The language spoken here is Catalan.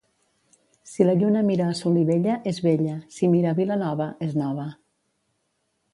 Si la lluna mira a Solivella, és vella; si mira a Vilanova és nova.